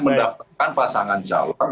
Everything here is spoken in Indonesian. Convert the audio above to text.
mendaftarkan pasangan calon